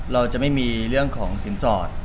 เราจะไม่มีเรื่องของสินสอด